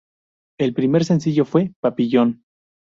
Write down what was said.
El primer sencillo fue "Papillon".